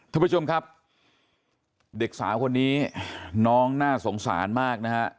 ท่านผู้ชมครับเด็กสาวคนนี้น้องน่าสงสารมากนะฮะ